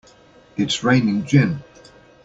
It's raining gin!